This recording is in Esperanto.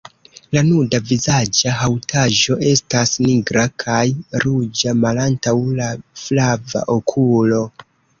La nuda vizaĝa haŭtaĵo estas nigra, kaj ruĝa malantaŭ la flava okulo.